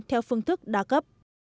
theo phương thức đa cấp